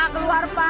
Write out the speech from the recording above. ya allah keluar pak